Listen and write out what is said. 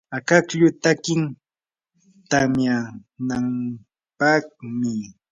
akaklluy takin tamyanampaqmi.